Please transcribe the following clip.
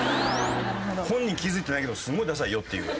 本人気づいてないけどすごいダサいよっていう。